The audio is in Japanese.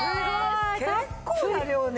結構な量ね。